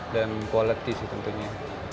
dan quality sih tentunya